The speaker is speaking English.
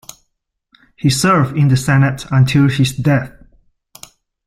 He served in the Senate until his death.